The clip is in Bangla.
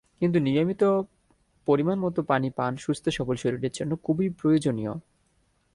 কিন্তু নিয়মিত পরিমাণ মতো পানি পান সুস্থ-সবল শরীরের জন্য খুবই প্রয়োজনীয়।